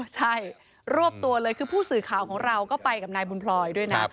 ใช่รวบตัวเลยคือผู้สื่อข่าวของเราก็ไปกับนายบุญพลอยด้วยนะ